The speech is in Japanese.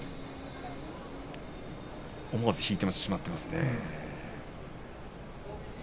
思わず引いてしまっていますね。